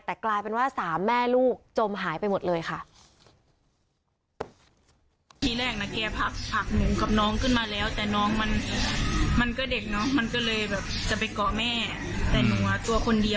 แต่กลายเป็นว่า๓แม่ลูกจมหายไปหมดเลยค่ะ